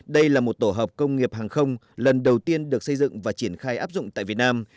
đây là một tổ hợp công nghiệp hàng không lần đầu tiên được xây dựng và triển khai áp dụng tại việt nam